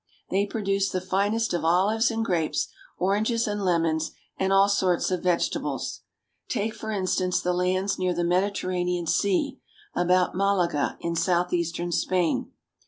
They produce the finest of olives and grapes, oranges and lemons, and all sorts of vegetables. Take, for instance, the lands near the Mediterranean Sea about Malaga in southeastern Spain.